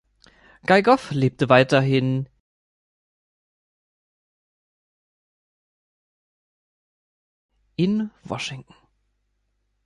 Guy Goff lebte weiterhin in Washington.